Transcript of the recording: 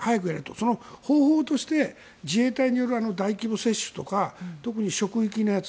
その方法として自衛隊による大規模接種とか特に職域のやつ。